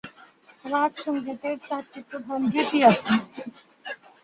রাগ সঙ্গীতের চারটি প্রধান রীতি আছে।